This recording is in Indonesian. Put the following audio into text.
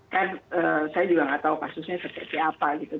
kan saya juga nggak tahu kasusnya seperti apa gitu